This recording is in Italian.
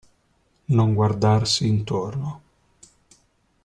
Non guardarsi intorno.